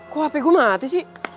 kok api gue mati sih